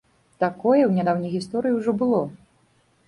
Такое ў нядаўняй гісторыі ўжо было.